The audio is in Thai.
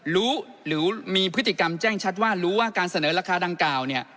รู้หรือมีพฤติกรรมแจ้งชัดว่ารู้ว่าการเสนอราคาดังกล่าวเนี่ย